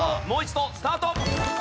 もう一度スタート。